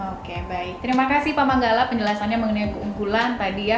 oke baik terima kasih pak manggala penjelasannya mengenai keunggulan tadi ya